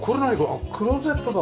あっクローゼットだ。